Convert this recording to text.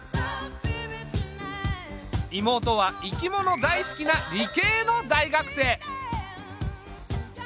妹は生き物大好きな理系の大学生。